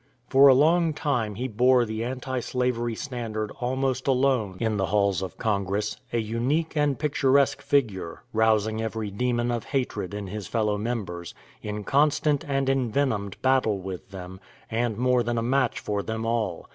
For a long time he bore the anti slavery standard almost alone in the halls of Congress, a unique and picturesque figure, rousing every demon of hatred in his fellow members, in constant and envenomed battle with them, and more than a match for them all.